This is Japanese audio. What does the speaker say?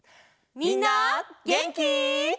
みんなげんき？